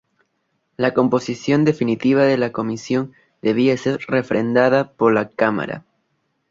La composición definitiva de la comisión debía ser refrendada por la Cámara.